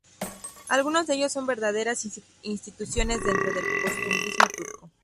Algunos de ellos son verdaderas instituciones dentro del costumbrismo turco.